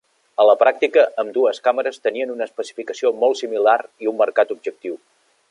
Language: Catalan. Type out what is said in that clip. A la pràctica, ambdues càmeres tenien una especificació molt similar i un mercat objectiu.